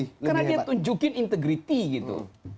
karena dia tunjukin integrity gitu